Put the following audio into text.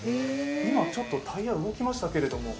今、ちょっとタイヤ動きましたけど？